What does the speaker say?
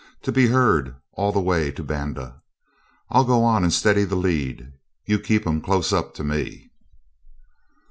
to be heard all the way to Banda. I'll go on and steady the lead; you keep 'em close up to me.'